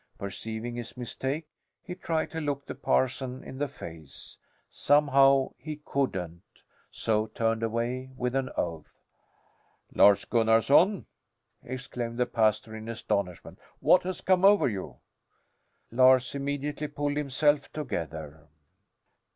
Perceiving his mistake, he tried to look the parson in the face. Somehow he couldn't so turned away, with an oath. "Lars Gunnarson!" exclaimed the pastor in astonishment. "What has come over you?" Lars immediately pulled himself together.